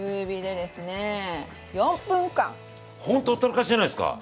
これでほんとほったらかしじゃないですか。